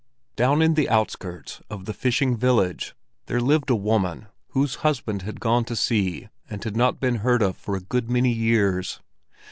Down in the outskirts of the fishing village there lived a woman, whose husband had gone to sea and had not been heard of for a good many years.